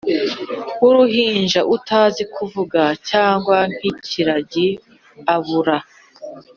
wuruhinja utazi kuvuga cyangwa nkikiragi abura